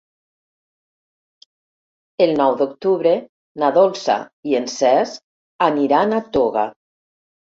El nou d'octubre na Dolça i en Cesc aniran a Toga.